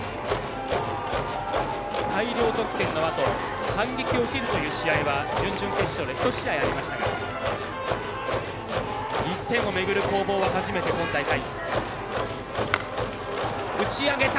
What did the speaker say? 大量得点のあと反撃を受けるという試合は準々決勝で一試合ありましたが１点をめぐる攻防は初めて今大会。